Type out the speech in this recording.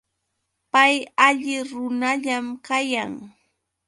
Pay alli runallam kayan.